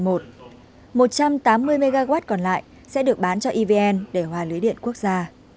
một trăm tám mươi mw còn lại sẽ được bán cho evn để hòa lưới điện quốc gia